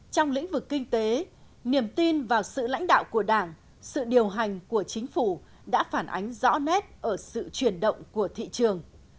trong lĩnh vực kinh tế niềm tin vào sự lãnh đạo của đảng sự điều hành của chính phủ đã phản ánh rõ nét ở sự chuyển động của thị trường